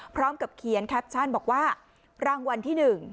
พร้อมกับเขียนแคปชั่นบอกว่ารางวัลที่๑